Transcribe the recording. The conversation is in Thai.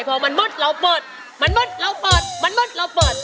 พอมันมืดเราเปิดมันมืดเราเปิดมันมืดเราเปิด